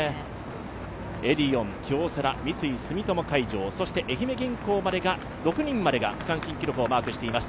エディオン、京セラ、三井住友海上、そして愛媛銀行まで、６人までが区間新記録をマークしています。